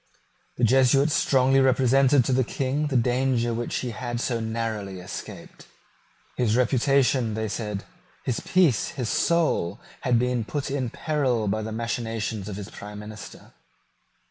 The Jesuits strongly represented to the King the danger which he had so narrowly escaped. His reputation, they said, his peace, his soul, had been put in peril by the machinations of his prime minister.